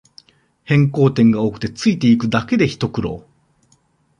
変更点が多くてついていくだけでひと苦労